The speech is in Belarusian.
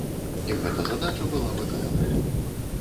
І гэта задача была выкананая.